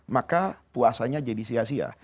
maka puasanya jadi sia sia